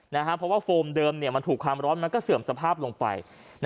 เพราะว่าโฟมเดิมมันถูกความร้อนมันก็เสื่อมสภาพลงไป